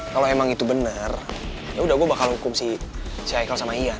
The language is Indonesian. kalau emang itu bener yaudah gue bakal hukum si haikal sama ian